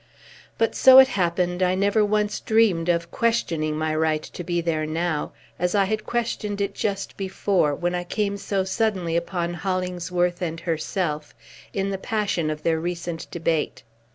But, so it happened, I never once dreamed of questioning my right to be there now, as I had questioned it just before, when I came so suddenly upon Hollingsworth and herself, in the passion of their recent debate.